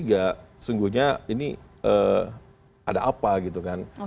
ya sungguhnya ini ada apa gitu kan